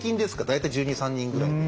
大体１２１３人ぐらい。